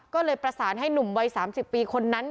ก็เลยประสานให้หนุ่มวัย๓๐ปีคนนั้น